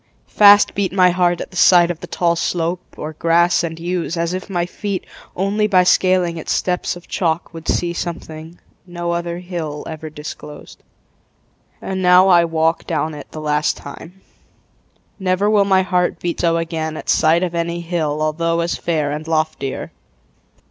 Fast beat My heart at the sight of the tall slope Or grass and yews, as if my feet Only by scaling its steps of chalk Would see something no other hill Ever disclosed. And now I walk Down it the last time. Never will My heart beat so again at sight Of any hill although as fair And loftier.